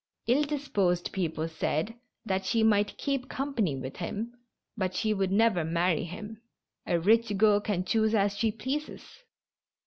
Ill disposed people said that she might keep company with him, but she would never marry him. A rich girl can choose as she pleases.